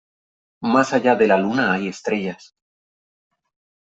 Más allá de la luna hay estrellas .